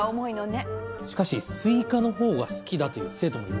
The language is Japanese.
しかしスイカのほうが好きだという生徒もいるんじゃ。